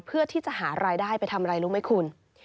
เพื่อที่จะหารายได้ไปทำอะไรรู้ไหมคุณ